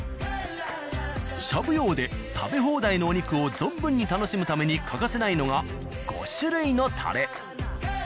「しゃぶ葉」で食べ放題のお肉を存分に楽しむために欠かせないのが５種類のたれ。